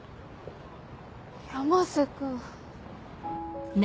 山瀬君。